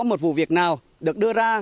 một vụ việc nào được đưa ra